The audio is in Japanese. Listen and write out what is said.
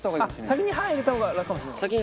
先に刃入れた方が楽かもしれない。